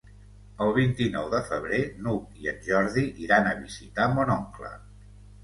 El vint-i-nou de febrer n'Hug i en Jordi iran a visitar mon oncle.